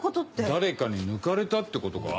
誰かに抜かれたってことか？